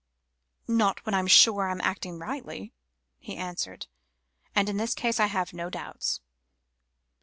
"Not when I am sure I am acting rightly," he answered. "And in this case I have no doubts."